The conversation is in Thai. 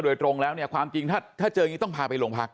โดยตรงแล้วเนี่ยความจริงถ้าเจออย่างนี้ต้องพาไปโรงพัก